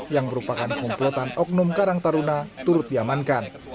yang merupakan komplotan oknum karang taruna turut diamankan